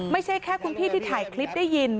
ไม่ใช่แค่คุณพี่ที่ถ่ายคลิปได้ยิน